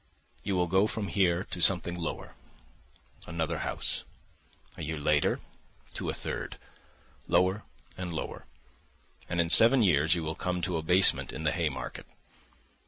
"You will go from here to something lower, another house; a year later—to a third, lower and lower, and in seven years you will come to a basement in the Haymarket.